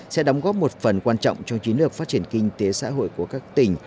sẽ đóng góp một phần quan trọng trong chiến lược phát triển kinh tế xã hội của các tỉnh